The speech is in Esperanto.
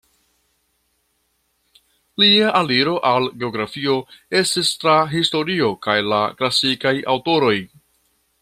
Lia aliro al geografio estis tra historio kaj la klasikaj aŭtoroj.